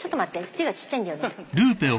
字がちっちゃいんだよね。